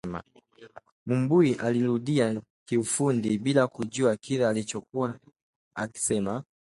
Mumbui alirudia kiufundi, bila kujua kile alichokuwa akisema